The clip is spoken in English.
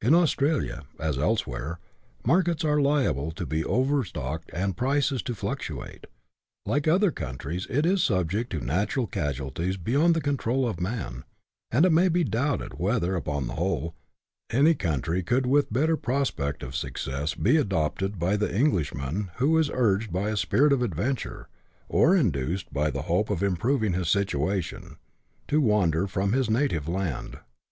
In Australia, as elsewhere, markets are liable to be overstocked and prices to fluctuate ; like other countries, it is subject to natural casualties beyond the control of man ; but it may be doubted whether, upon the whole, any country could with better prospect of success be adopted by the English iNTROD.] A JOURNAL. man who is urged by a spirit of adventure, or induced by the hope of improving his situation, to wander from his native land.